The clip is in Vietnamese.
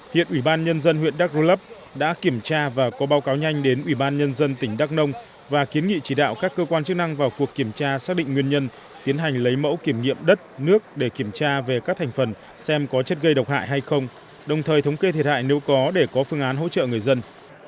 hiện ủy ban nhân dân huyện đắk rô lấp đã kiểm tra và có báo cáo nhanh đến ủy ban nhân dân tỉnh đắk nông và kiến nghị chỉ đạo các cơ quan chức năng vào cuộc kiểm tra xác định nguyên nhân tiến hành lấy mẫu kiểm nghiệm đất nước để kiểm tra về các thành phần xem có chất gây độc hại hay không đồng thời thống kê thiệt hại nếu có để có phương án hỗ trợ người dân